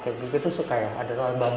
kenapa suka melukis kayak ada bangunan orang